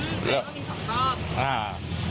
อื้อแล้วมีสองรอบ